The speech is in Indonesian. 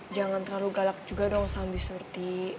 jangan terlalu galak juga dong sama bi surti